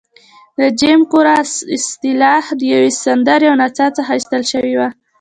د جیم کرو اصطلاح د یوې سندرې او نڅا څخه اخیستل شوې وه.